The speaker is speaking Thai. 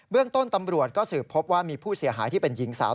เรื่องต้นตำรวจก็สืบพบว่ามีผู้เสียหายที่เป็นหญิงสาว